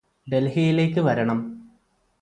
ഡൽഹിയിലേക്ക് വരണം